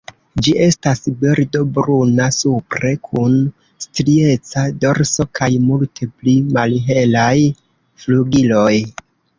Ĝi estas birdo bruna supre kun strieca dorso kaj multe pli malhelaj flugiloj.